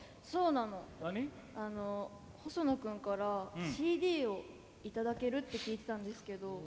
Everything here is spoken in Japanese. ホソノ君からＣＤを頂けるって聞いてたんですけど。